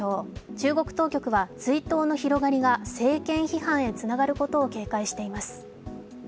中国当局は追悼の広がりが政権批判へつながることを懸念しています。